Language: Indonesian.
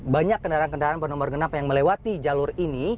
banyak kendaraan kendaraan bernomor genap yang melewati jalur ini